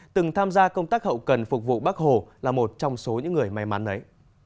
từng tham gia công tác hậu cần phục vụ bắc hồ là một trong số những người may mắn ấy